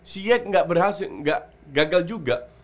si yek gak berhasil gak gagal juga